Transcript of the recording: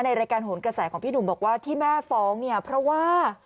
ในรายการโหนกระแสของพี่หนุ่มบอกว่าที่แม่ฟ้องเนี่ยเพราะว่า